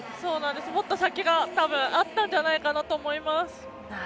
もっと先があったんじゃないかなと思います。